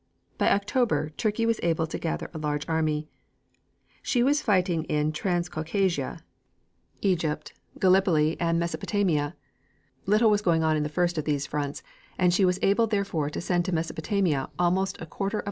By October, Turkey was able to gather a large army. She was fighting in Transcaucasia, Egypt, Gallipoli and Mesopotamia. Little was going on in the first three of these fronts, and she was able therefore to send to Mesopotamia almost a quarter of a million men.